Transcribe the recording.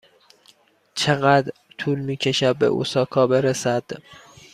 چقدر طول می کشد به اوساکا برسد؟